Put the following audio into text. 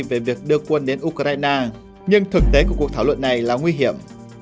về việc đưa quân đến ukraine nhưng thực tế của cuộc thảo luận này là nguy hiểm